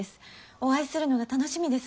お会いするのが楽しみです。